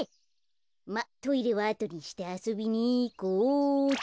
まあトイレはあとにしてあそびにいこうっと。